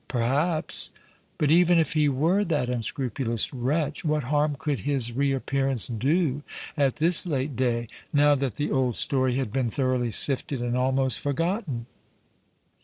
Perhaps; but even if he were that unscrupulous wretch, what harm could his reappearance do at this late day, now that the old story had been thoroughly sifted and almost forgotten?